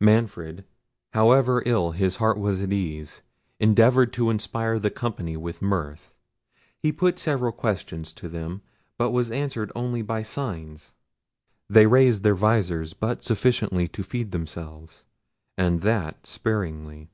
Manfred, however ill his heart was at ease, endeavoured to inspire the company with mirth. He put several questions to them, but was answered only by signs. They raised their vizors but sufficiently to feed themselves, and that sparingly.